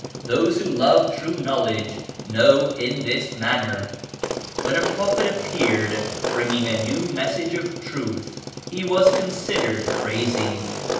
Those who love true knowledge know in this manner. When a Prophet appeared bringing a new Message of Truth, He was considered crazy.